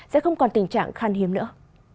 sẽ không còn tình trạng khan hiếm nữa